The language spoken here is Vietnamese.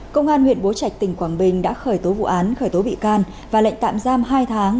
công an huyện bố trạch tỉnh quảng bình đã khởi tố vụ án khởi tố bị can và lệnh tạm giam hai tháng